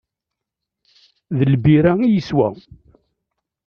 D lbira i yeswa.